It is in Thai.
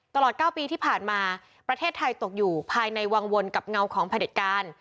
ตลอด๙ปีที่ผ่านมาประเทศไทยตกอยู่ภายในวังวลกับเงาของผลิตการ